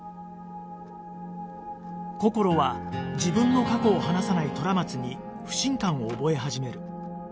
こころは自分の過去を話さない虎松に不信感を覚え始める